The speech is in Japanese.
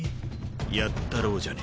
やったろうじゃねぇか。